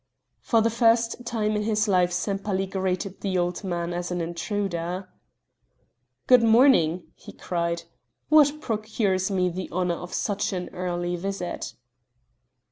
For the first time in his life Sempaly greeted the old man as an intruder. "Good morning," he cried, "what procures me the honor of such an early visit?"